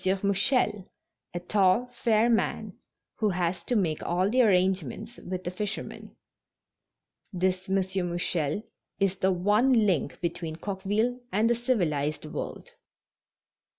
Mouchel, a tall, fair man who has to make all the arrangements with the fishermen. This M. Mouchel is the one link between Coqueville and the civilized world.